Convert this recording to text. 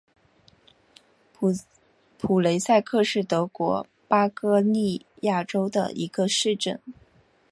普雷塞克是德国巴伐利亚州的一个市镇。